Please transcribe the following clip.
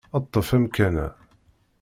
Ṭṭef amkan-a.